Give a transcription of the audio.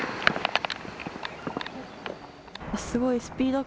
すごいスピード感。